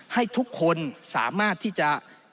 ให้ทุกคนสามารถที่จะ